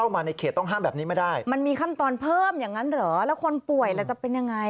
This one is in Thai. มันมีขั้นตอนเพิ่มอย่างนั้นเหรอแล้วคนป่วยจะเป็นอย่างไร